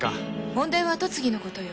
問題は跡継ぎのことよ。